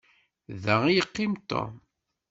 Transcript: Da i yeqqim Tom.